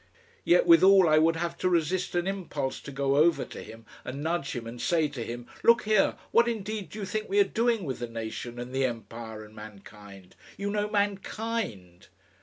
Yet withal I would have to resist an impulse to go over to him and nudge him and say to him, "Look here! What indeed do you think we are doing with the nation and the empire and mankind? You know MANKIND!"